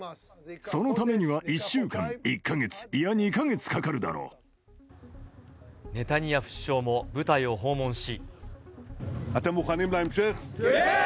そのためには１週間、１か月、ネタニヤフ首相も部隊を訪問し。